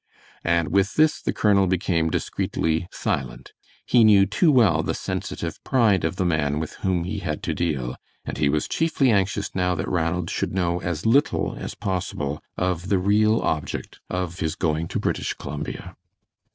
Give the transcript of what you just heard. And with this the colonel became discreetly silent. He knew too well the sensitive pride of the man with whom he had to deal, and he was chiefly anxious now that Ranald should know as little as possible of the real object of his going to British Columbia.